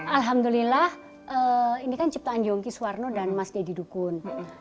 alhamdulillah ini kan ciptaan yongki suwarno dan mas deddy dukun